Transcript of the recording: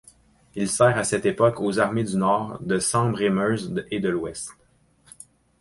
Il sert à cette époque aux Armées du Nord, de Sambre-et-Meuse et de l'Ouest.